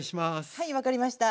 はい分かりました。